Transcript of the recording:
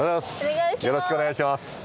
よろしくお願いします。